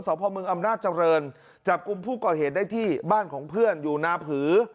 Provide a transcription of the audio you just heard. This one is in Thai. พ่อเมืองอำนาจเจริญจับกลุ่มผู้ก่อเหตุได้ที่บ้านของเพื่อนอยู่นาผือ